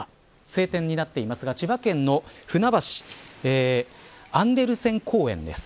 晴天になっていますが千葉県のふなばしアンデルセン公園です。